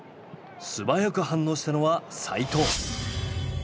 素早く反応したのは齋藤。